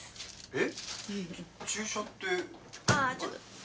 えっ！？